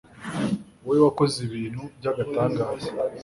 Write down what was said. wowe wakoze ibintu by'agatangaza